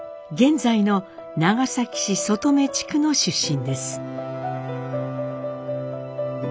現在の長崎市外海地区の出身です。